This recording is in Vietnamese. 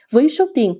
với số tiền